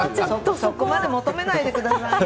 そこまで求めないでくださいよ。